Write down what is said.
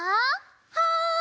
はい！